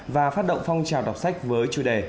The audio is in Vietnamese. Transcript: và phát động phong trào đọc sách với chủ đề